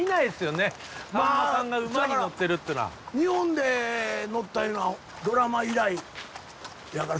日本で乗ったいうのはドラマ以来やから。